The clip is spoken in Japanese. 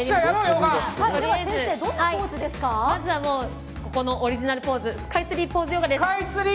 まずは、オリジナルポーズのスカイツリーポーズヨガです。